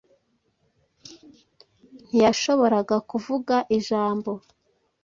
Ntiyahoboraga kuvuga ijambo